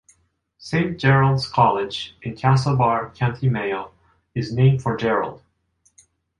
Saint Gerald's College in Castlebar, County Mayo is named for Gerald.